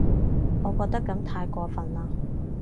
我覺得噉太過份喇